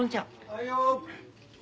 はいよ。